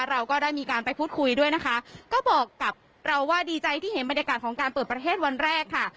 เราก็ได้มีการไปพูดคุยด้วยนะคะก็บอกกับเราว่าดีใจที่เห็นบรรยากาศของการเปิดประเทศวันแรกค่ะ